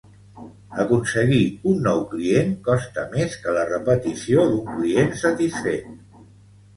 Aconseguir un nou client costa més que la repetició d'un client satisfet.